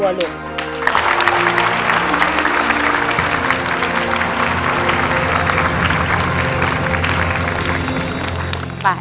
ขอบคุณครับ